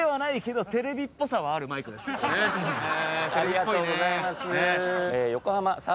ありがとうございます。